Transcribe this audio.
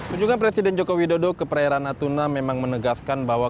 kunjungan presiden joko widodo ke perairan natuna memang menegaskan bahwa